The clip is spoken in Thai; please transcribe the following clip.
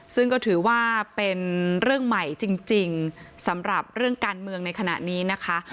ซึ่งก็ถือว่าเป็นเรื่องใหม่จริงสำหรับเรื่องการเมืองในขณะนี้นะคะ